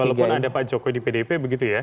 walaupun ada pak jokowi di pdp begitu ya